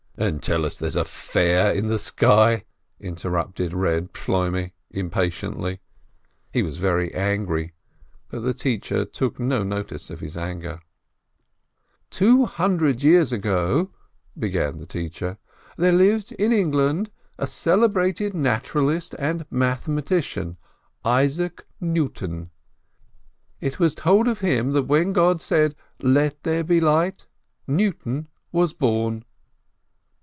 "And tell us there's a fair in the sky!" interrupted Eeb Shloimeh, impatiently. He was very angry, but the teacher took no notice of his anger. EEB SHLOIMEH 321 "Two hundred years ago/' began the teacher, "there lived, in England, a celebrated naturalist and mathema tician, Isaac Newton. It was told of him that when God said, Let there be light, Newton was born."